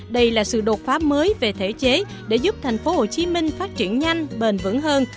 đây là sự đột pháp mới về thể chế để giúp thành phố hồ chí minh phát triển nhanh bền vững hơn